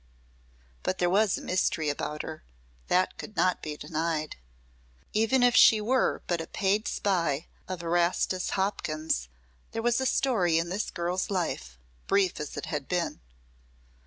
But there was a mystery about her; that could not be denied. Even if she were but a paid spy of Erastus Hopkins there was a story in this girl's life, brief as it had been.